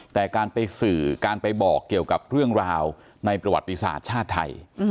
แต่การไปสื่อการไปบอกเกี่ยวกับเรื่องราวในประวัติศาสตร์ชาติไทย